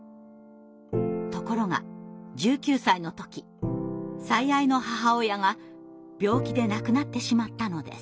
ところが１９歳の時最愛の母親が病気で亡くなってしまったのです。